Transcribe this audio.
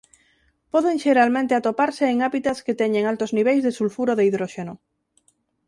Poden xeralmente atoparse en hábitats que teñen altos niveis de sulfuro de hidróxeno.